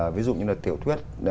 ví dụ như là tiểu thuyết